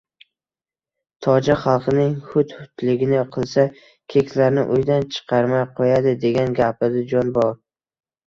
Tojik xalqining: “Hut hutligini qilsa, keksalarni uyidan chiqarmay qoʻyadi”, degan gapida jon bor.